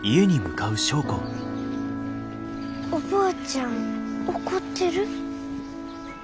おばあちゃん怒ってる？